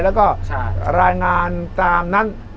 แล้วก็รายงานตามนั้น